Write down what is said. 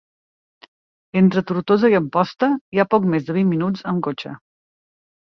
Entre Tortosa i Amposta hi ha poc més de vint minuts amb cotxe